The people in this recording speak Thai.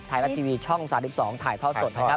ไทยแบตทีวีช่อง๓๒ถ่ายเพราะสดนะครับ